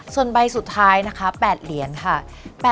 ส่วนใบสุดท้ายนะคะ๘เหรียญค่ะ